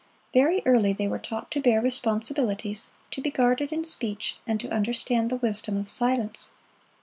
Very early they were taught to bear responsibilities, to be guarded in speech, and to understand the wisdom of silence.